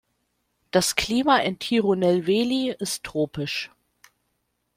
Das Klima in Tirunelveli ist tropisch.